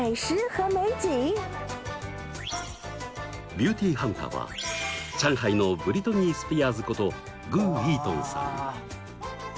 ビューティーハンターは上海のブリトニー・スピアーズこと顧逸童さん。